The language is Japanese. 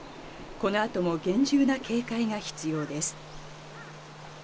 このあとも厳重な警戒が必要です。